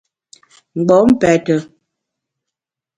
Mgbom pète.